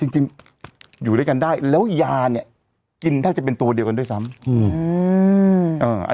จริงอยู่ด้วยกันได้แล้วยาเนี่ยกินแทบจะเป็นตัวเดียวกันด้วยซ้ำ